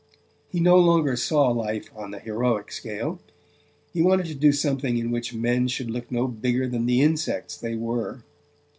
He no longer saw life on the heroic scale: he wanted to do something in which men should look no bigger than the insects they were.